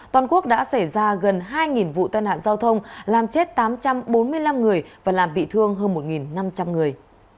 toàn quốc đã xảy ra gần hai vụ tai nạn giao thông làm chết tám trăm bốn mươi năm người và làm bị thương hơn một năm trăm linh người